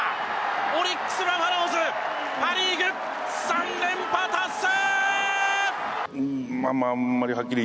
オリックス・バファローズパ・リーグ３連覇達成！